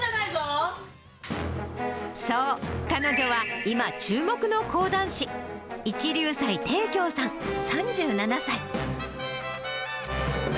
そう、彼女は今注目の講談師、一龍斎貞鏡さん３７歳。